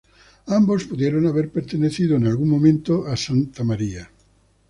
Ambos pudieron haber pertenecido en algún momento a Santa María.